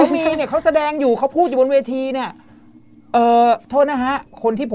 อ๋อมีเนี้ยเขาแสดงอยู่เขาพูดอยู่บนเวทีเนี้ย